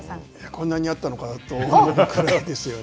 こんなにあったのかなと思うくらいですよね。